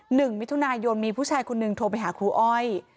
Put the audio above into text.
หนึ่งมิถุนายนมีผู้ชายคนหนึ่งโทรไปหาครูอ้อย